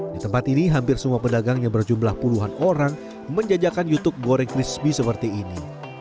di tempat ini hampir semua pedagang yang berjumlah puluhan orang menjajakan youtube goreng crispy seperti ini